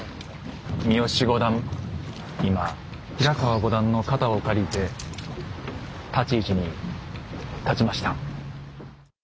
三好五段今平川五段の肩を借りて立ち位置に立ちました。